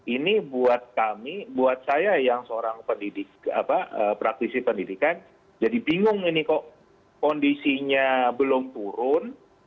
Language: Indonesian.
ini buat kami buat saya yang seorang praktisi pendidikan jadi bingung ini kok kondisinya belum turun